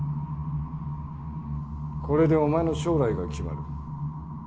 これでお前の将来が決まる。